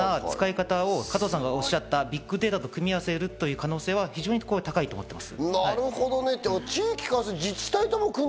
そのような使い方を加藤さんがおっしゃったビッグデータと組み合わせるという可能性は非常に高いと思ってます。